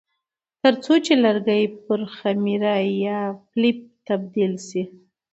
ترڅو چې لرګي پر خمیره یا پلپ تبدیل شي.